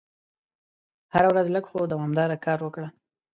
هره ورځ لږ خو دوامداره کار وکړه.